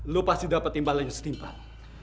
lo pasti dapat timbalannya setimpal